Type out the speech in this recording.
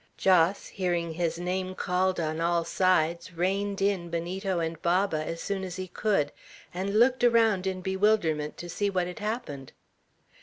Jos, hearing his name called on all sides, reined in Benito and Baba as soon as he could, and looked around in bewilderment to see what had happened.